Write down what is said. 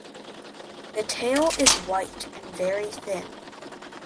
The tail is white and very thin.